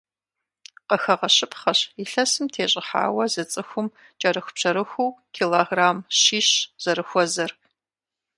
Къыхэгъэщыпхъэщ, илъэсым тещӏыхьауэ зы цӏыхум кӏэрыхубжьэрыхуу килограмм щищ зэрыхуэзэр.